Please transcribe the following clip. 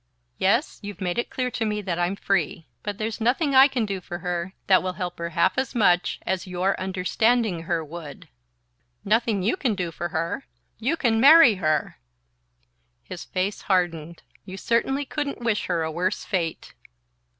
"Yes: you've made it clear to me that I'm free. But there's nothing I can do for her that will help her half as much as your understanding her would." "Nothing you can do for her? You can marry her!" His face hardened. "You certainly couldn't wish her a worse fate!"